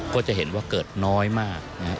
ก็จะเห็นว่าเกิดน้อยมากนะครับ